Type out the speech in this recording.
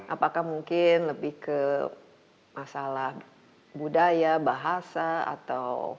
apakah mungkin lebih ke masalah budaya bahasa atau